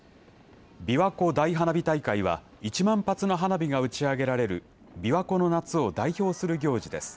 びわ湖大花火大会は１万発の花火が打ち上げられる琵琶湖の夏を代表する行事です。